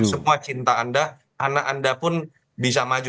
semua cinta anda anak anda pun bisa maju